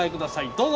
どうぞ！